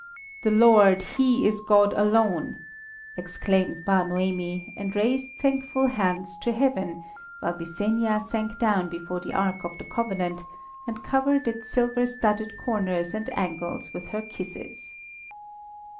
"The Lord He is God alone!" exclaims Bar Noemi, and raised thankful hands to heaven, while Byssenia sank down before the Ark of the Covenant, and covered its silver studded corners and angles with her kisses.